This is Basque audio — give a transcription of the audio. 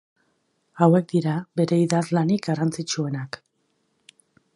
Hauek dira bere idazlanik garrantzitsuenak.